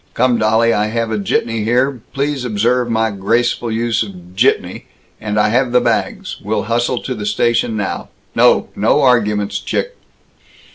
Come, dolly, I have a jitney here, please observe my graceful use of 'jitney,' and I have the bags. We'll hustle to the station now. No! No arguments, chick!"